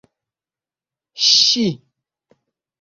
ŝi